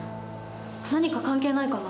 何か関係ないかな。